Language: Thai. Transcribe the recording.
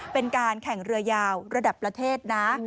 เป็นการแข่งเรือยาวระดับประเทศนะ